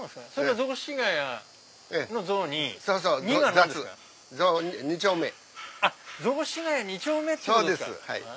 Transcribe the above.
雑司が谷２丁目ってことですか。